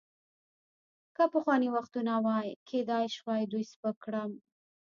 که پخواني وختونه وای، کیدای شوای دوی سپک کړم.